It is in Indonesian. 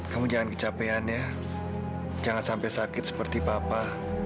kamu jangan kecapean ya jangan sampai sakit seperti papa